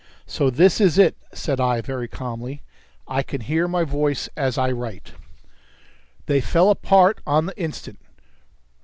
"So this is it," said I very calmly. I can hear my voice as I write. They fell apart on the instant.